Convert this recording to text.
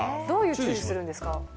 どういう注意するんですか？